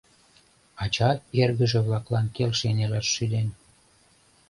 Ача эргыже-влаклан келшен илаш шӱден.